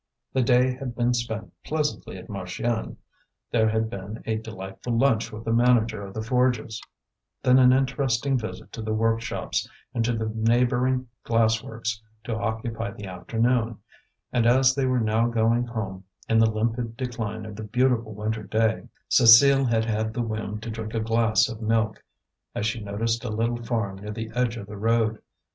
The day had been spent pleasantly at Marchiennes; there had been a delightful lunch with the manager of the Forges, then an interesting visit to the workshops and to the neighbouring glass works to occupy the afternoon; and as they were now going home in the limpid decline of the beautiful winter day, Cécile had had the whim to drink a glass of milk, as she noticed a little farm near the edge of the road.